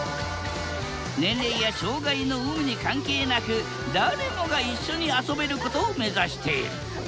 年齢や障害の有無に関係なく誰もが一緒に遊べることを目指している。